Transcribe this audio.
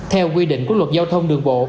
theo quy định của luật giao thông đường bộ